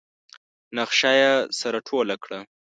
نخشه يې سره ټوله کړه.